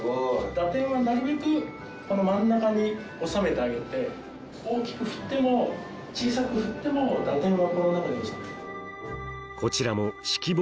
打点はなるべくこの真ん中に収めてあげて大きく振っても小さく振っても打点はこの中で収める。